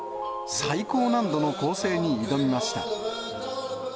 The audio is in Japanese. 最高難度の構成に挑みました。